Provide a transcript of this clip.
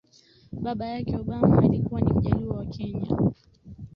Baba yake Obama alikuwa ni Mjaluo wa Kenya